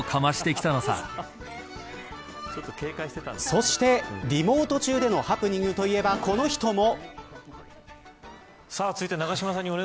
そして、リモート中でのハプニングといえばこの人も。